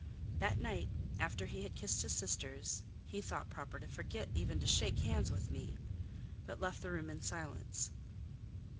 That night, after he had kissed his sisters, he thought proper to forget even to shake hands with me, but left the room in silence.